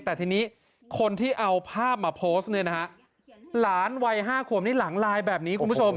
แต่ทีนี้คนที่เอาภาพมาโพสต์เลยนะหลานวัยห้าคมนี่หลังไลน์แบบนี้คุณผู้ชม